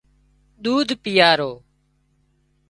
ۮوڌ پيئارو